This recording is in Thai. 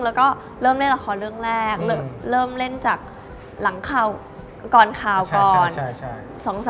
แล้วก็เริ่มเล่นละครเรื่องแรกเริ่มเล่นจากหลังข่าวก่อนข่าวก่อน